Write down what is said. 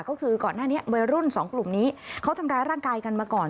ก็คือก่อนหน้านี้วัยรุ่นสองกลุ่มนี้เขาทำร้ายร่างกายกันมาก่อน